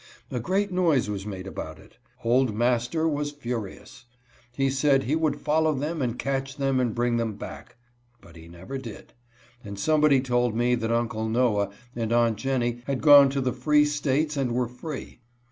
A great noise was made about it. Old master was furious. He (56) SLAVE IMPUDENCE. 57 said he would follow them and catch them and bring them back, but he never did, and somebody told me that Uncle Noah and Aunt Jennie had gone to the free states and ^Kgrefree.